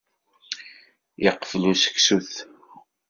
Iqfel useksut.